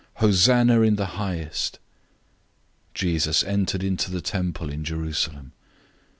Hosanna in the highest!" 011:011 Jesus entered into the temple in Jerusalem.